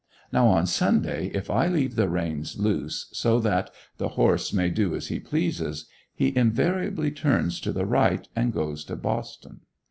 Now, on Sunday, if I leave the reins loose, so that the horse may do as he pleases, he invariably turns to the right, and goes to Boston.